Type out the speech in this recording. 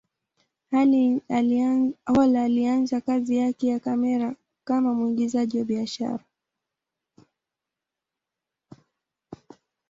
Hall alianza kazi yake ya kamera kama mwigizaji wa kibiashara.